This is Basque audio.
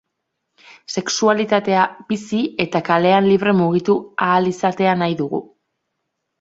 Sexualitatea bizi eta kalean libre mugitu ahal izatea nahi dugu.